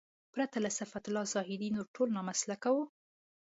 پرته له صفت الله زاهدي نور ټول نامسلکه وو.